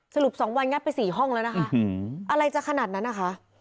สรุป๒วันงัดไป๔ห้องแล้วนะคะอะไรจะขนาดนั้นนะคะ